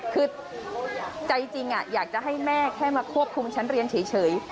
คือใจจริงอยากจะให้แม่แค่มาควบคุมฉันเรียนเฉย